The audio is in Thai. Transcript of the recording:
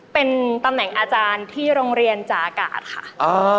เป็นตำแหน่งอาจารย์ที่โรงเรียนจากอากาศค่ะ